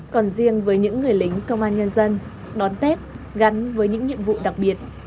còn riêng với những người lính công an nhân dân đón tết gắn với những nhiệm vụ đặc biệt